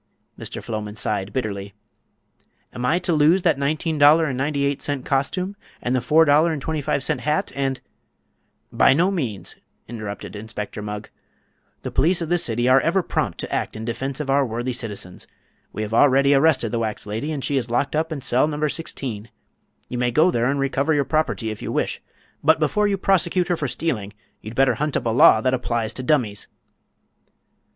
Mr. Floman sighed bitterly. "Am I to lose that $19.98 costume and the $4.25 hat and—" "By no means," interrupted Inspector Mugg. "The police of this city are ever prompt to act in defense of our worthy citizens. We have already arrested the wax lady, and she is locked up in cell No. 16. You may go there and recover your property, if you wish, but before you prosecute her for stealing you'd better hunt up a law that applies to dummies."